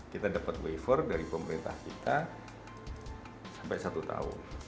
kita dapat waifor dari pemerintah kita sampai satu tahun